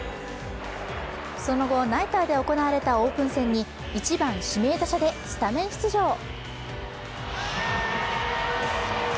その後、ナイターで行われたオープン戦に１番・指名打者でスタメン出場。